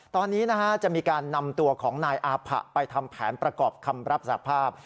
ตอนนี้จะมีการนำตัวของนายอาผะไปทำแผนประกอบคำรับสภาพ